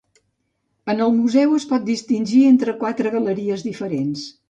En el museu es pot distingir entre quatre galeries diferents.